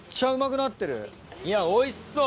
いやおいしそう。